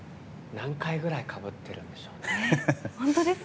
何回ぐらいかぶってるんでしょうね。